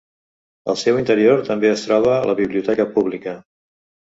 Al seu interior també es troba la biblioteca pública.